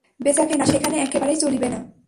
কেনা-বেচা সেখানে একেবারেই চলিবে না।